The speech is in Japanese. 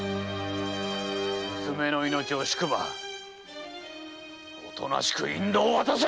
娘の命惜しくばおとなしく印籠を渡せ！